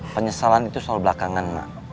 penyesalan itu soal belakangan